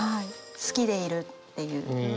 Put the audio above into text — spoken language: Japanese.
好きでいるっていう。